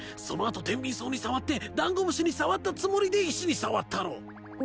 その後テンビン草に触ってダンゴムシに触ったつもりで石に触ったろう。